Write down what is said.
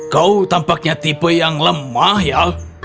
kau tampaknya tipe yang lemah ya